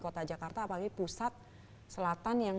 kota jakarta apalagi pusat selatan yang